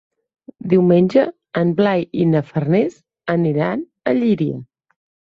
Diumenge en Blai i na Farners aniran a Llíria.